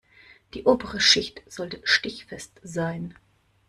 Die obere Schicht sollte stichfest sein.